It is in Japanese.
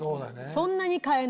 そんなに買えないかな。